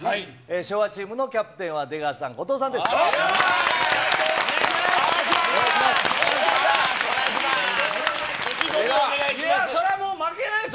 昭和チームのキャプテンは出川さお願いします。